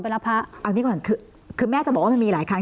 รับพระเอานี่ก่อนคือแม่จะบอกว่ามันมีหลายครั้ง